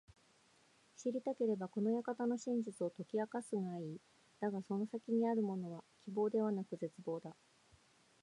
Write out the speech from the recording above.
知りたければ、この館の真実を解き明かすがいい。だがその先にあるものは…希望ではなく絶望だ。